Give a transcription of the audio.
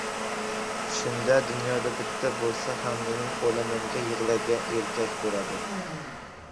Shunda dunyoda bitta bo‘lsa ham mening o‘limimga yig‘laydigan erkak bo‘ladi.